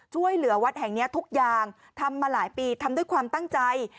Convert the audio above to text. ช่วยเหลือวัดแห่งนี้ทุกอย่างทำมาหลายปีทำด้วยความตั้งใจ